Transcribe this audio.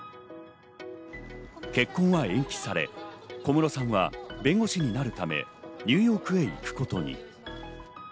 結婚は延期され、小室さんは弁護士になるため、ニューヨークへ行くことに。